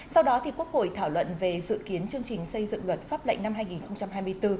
sau đó quốc hội thảo luận về dự kiến chương trình xây dựng luật pháp lệnh năm hai nghìn hai mươi bốn